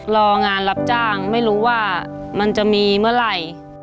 รองานรับจ้างไม่รู้ว่ามันจะมีเมื่อไหร่